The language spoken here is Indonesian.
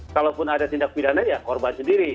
kalau pun ada tindak pidana ya korban sendiri